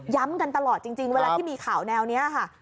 กันตลอดจริงเวลาที่มีข่าวแนวนี้ค่ะ